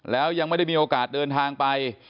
แล้วยังไม่ได้มีโอกาสเดินทางไป